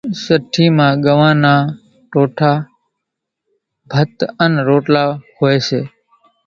سٺِي مان ڳنوان نا ٽوٺا، ڀت انين روٽلا هوئيَ سي۔